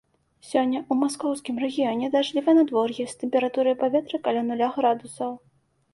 Сёння ў маскоўскім рэгіёне дажджлівае надвор'е з тэмпературай паветра каля нуля градусаў.